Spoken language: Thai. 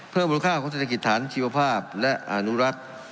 เพิ่มมูลค่าของเศรษฐกิจฐานชีวภาพและอนุรักษ์